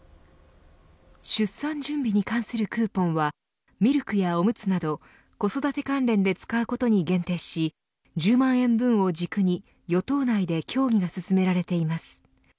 出産準備に関するクーポンはミルクやおむつなど子育て関連で使うことに限定し１０万円分を軸に与党内で協議が進められています。